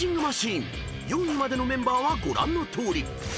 マシーン４位までのメンバーはご覧のとおり］